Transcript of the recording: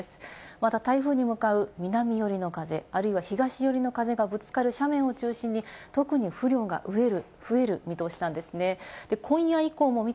また台風に向かう南寄りの風、あるいは東寄りの風がぶつかる斜面を中心に特に雨量が増える見通しなんですね。